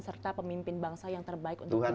serta pemimpin bangsa yang terbaik untuk bangsa